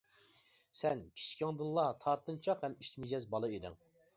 سەن كىچىكىڭدىنلا تارتىنچاق ھەم ئىچ مىجەز بالا ئىدىڭ.